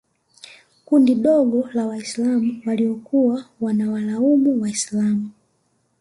kundi dogo la Waislam waliokuwa wanawalaumu Waislam